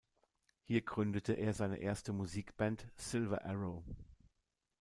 Hier gründete er seine erste Musikband "Silver Arrow".